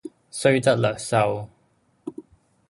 雖則略瘦，